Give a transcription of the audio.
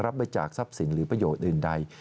รับบริจาคทรัพย์สินหรือประโยชน์อื่นใด